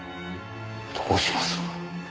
どうします？